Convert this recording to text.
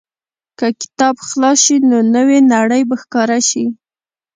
که کتاب خلاص شي، نو نوې نړۍ به ښکاره شي.